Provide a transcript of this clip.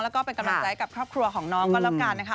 แล้วก็เป็นกำลังใจกับครอบครัวของน้องก็แล้วกันนะคะ